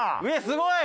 すごい！